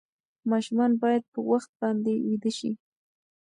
ماشومان باید په وخت باندې ویده شي.